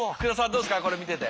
どうですかこれ見てて。